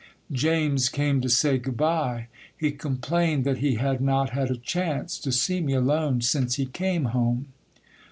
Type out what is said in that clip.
'James came to say good bye. He complained that he had not had a chance to see me alone since he came home.